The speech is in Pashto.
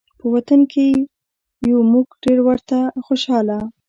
په وطن کې یو موږ ډېر ورته خوشحاله